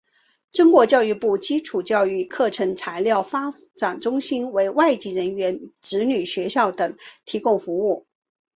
中国教育部基础教育课程教材发展中心为外籍人员子女学校等提供服务。